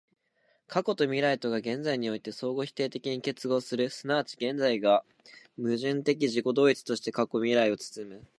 過去と未来とが現在において相互否定的に結合する、即ち現在が矛盾的自己同一として過去未来を包む、